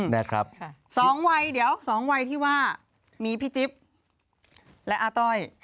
นะครับสองวัยเดี๋ยวสองวัยที่ว่ามีพี่จิ๊บและอาต้อย